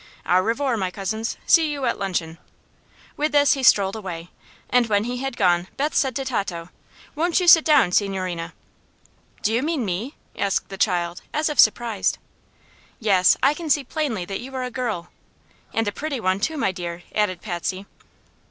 "Au revoir, my cousins. See you at luncheon." With this he strolled away, and when he had gone Beth said to Tato: "Won't you sit down, signorina?" "Do you mean me?" asked the child, as if surprised. "Yes; I can see plainly that you are a girl." "And a pretty one, too, my dear," added Patsy.